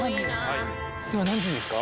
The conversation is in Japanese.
今何時ですか？